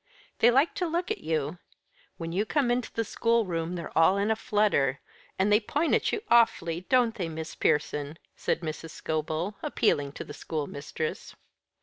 They like to look at you. When you come into the school room they're all in a flutter; and they point at you awfully, don't they, Miss Pierson?" said Mrs. Scobel, appealing to the school mistress.